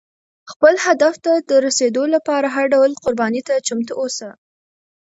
خپل هدف ته د رسېدو لپاره هر ډول قربانۍ ته چمتو اوسه.